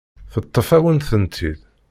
Teṭṭef-awen-tent-id.